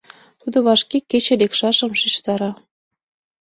Тудо вашке кече лекшашым шижтара.